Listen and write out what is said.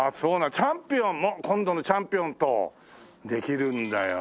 チャンピオン今度のチャンピオンとできるんだよ。